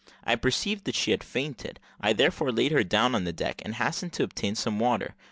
I perceived that she had fainted; I therefore laid her down on the deck, and hastened to obtain some water.